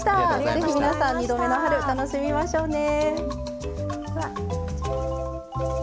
ぜひ皆さん「２度目の春」楽しみましょうね。